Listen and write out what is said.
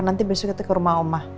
nanti besok kita ke rumah omah